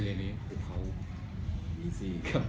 เร็วนี้เขาบีซี่ครับ